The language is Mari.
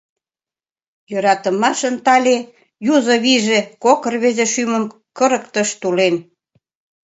Йӧратымашын тале, юзо вийже Кок рвезе шӱмым кырыктыш тулен.